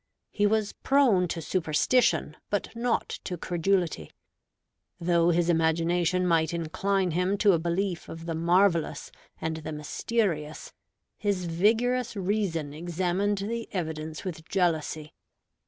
He was prone to superstition, but not to credulity. Though his imagination might incline him to a belief of the marvelous and the mysterious, his vigorous reason examined the evidence with jealousy.